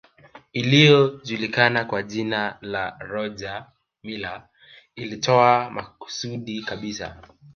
Iliyojulikana kwa jina la Roger Milla iliitoa makusudi kabisa